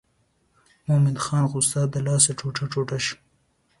مومن خان خو ستا د لاسه ټوټه ټوټه شو.